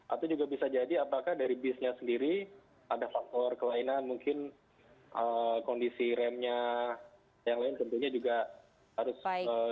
atau juga bisa jadi apakah dari bisnya sendiri ada faktor kelainan mungkin kondisi remnya yang lain tentunya juga harus